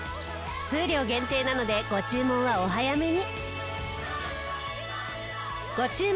数量限定なのでご注文はお早めに。